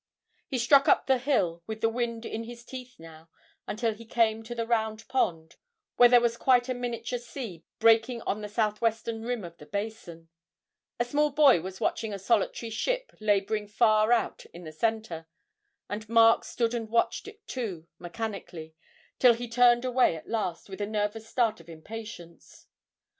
He struck up the hill, with the wind in his teeth now, until he came to the Round Pond, where there was quite a miniature sea breaking on the southwestern rim of the basin; a small boy was watching a solitary ship labouring far out in the centre, and Mark stood and watched it too, mechanically, till he turned away at last with a nervous start of impatience.